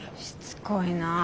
しつこいな。